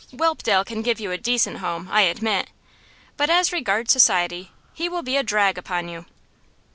Whelpdale can give you a decent home, I admit, but as regards society he will be a drag upon you.